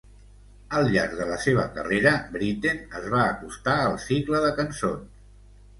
Al llarg de la seva carrera, Britten es va acostar al cicle de cançons.